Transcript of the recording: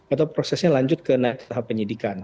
atau prosesnya lanjut ke tahap penyidikan